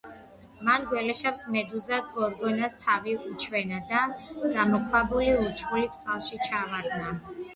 მან გველეშაპს მედუზა გორგონას თავი უჩვენა და გაქვავებული ურჩხული წყალში ჩავარდა.